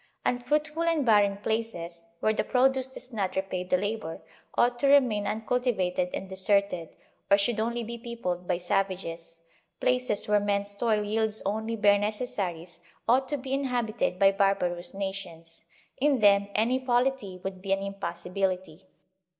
Unfruitful and barren places, where the produce does not repay the labor, ought to remain uncultivated and deserted, or should only be peopled by savages; places where men's toil yields only bare necessaries ought to be inhabited by barbarous nations; in them any polity would be an impossibility.